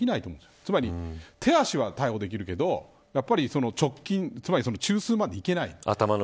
つまり手足は逮捕できるけどやっぱり中枢までいけない。